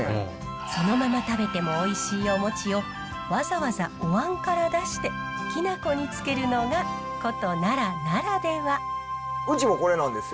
そのまま食べてもおいしいお餅をわざわざおわんから出してきな粉につけるのが古都奈良ならでは。